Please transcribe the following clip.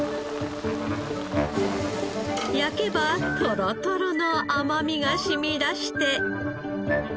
焼けばトロトロの甘みが染み出して。